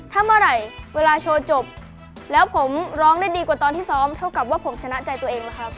ถ้าเมื่อไหร่เวลาโชว์จบแล้วผมร้องได้ดีกว่าตอนที่ซ้อมเท่ากับว่าผมชนะใจตัวเองแล้วครับ